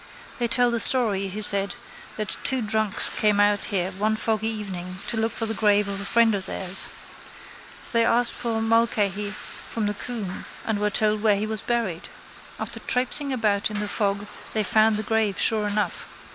—They tell the story, he said, that two drunks came out here one foggy evening to look for the grave of a friend of theirs. They asked for Mulcahy from the Coombe and were told where he was buried. After traipsing about in the fog they found the grave sure enough.